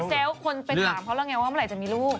แล้วคนไปถามเขาแล้วไงว่าเมื่อไหร่จะมีลูก